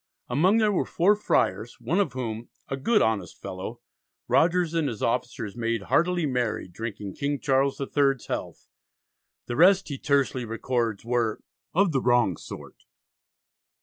Among them were four friars, one of whom, "a good honest fellow," Rogers and his officers made "heartily merry, drinking King Charles III's health": the rest he tersely records "were of the wrong sort."